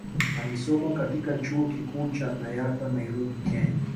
Alisoma katika chuo kikuu cha Dayatar Nairobi Kenya